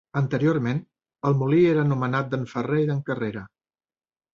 Anteriorment, el molí era anomenat d'en Ferrer i d'en Carrera.